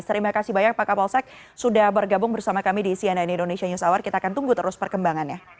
terima kasih banyak pak kapolsek sudah bergabung bersama kami di cnn indonesia news hour kita akan tunggu terus perkembangannya